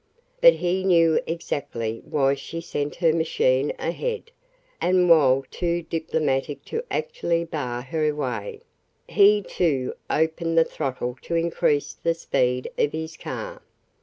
But he knew exactly why she sent her machine ahead, and while too diplomatic to actually bar her way, he, too, opened the throttle to increase the speed of his car.